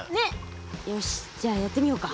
よしじゃあやってみようか。